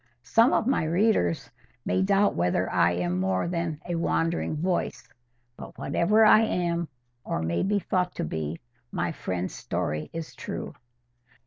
—Some of my readers may doubt whether I am more than "a wandering voice," but whatever I am, or may be thought to be, my friend's story is true.